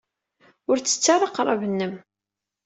Ur ttettu ara aqrab-nnem.